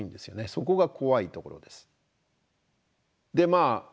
そこが怖いところです。